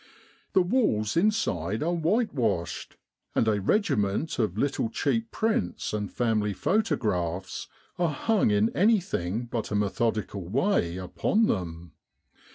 The walls inside are white washed, and a regiment of little cheap prints and family photographs are hung in anything but a methodical way upon them.